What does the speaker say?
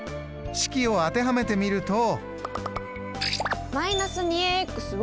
式を当てはめてみると。